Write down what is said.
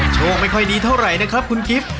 โชคไม่ค่อยดีเท่าไหร่นะครับคุณกิฟต์